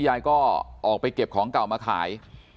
ยายก็ออกไปเก็บของเก่ามาขาย